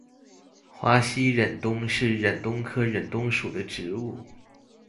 华西忍冬是忍冬科忍冬属的植物。